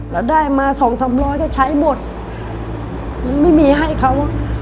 แล้วได้มาสองสามร้อยก็ใช้หมดมันไม่มีให้เขา